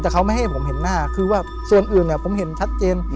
แต่เขาไม่ให้ผมเห็นหน้าคือว่าส่วนอื่นเนี่ยผมเห็นชัดเจน